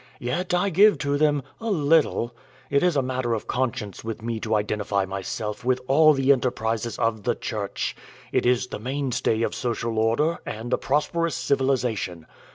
Yet I give to them a little it is a matter of conscience with me to identify myself with all the enterprises of the Church; it is the mainstay of social order and a prosperous civilization.